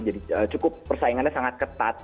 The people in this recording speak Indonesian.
jadi cukup persaingannya sangat ketat